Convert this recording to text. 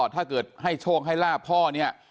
ถ้าเกิดให้โชคให้ลาบพ่อเนี่ย